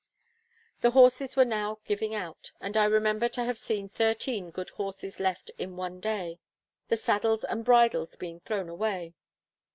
The horses were now giving out, and I remember to have seen thirteen good horses left in one day, the saddles and bridles being thrown away.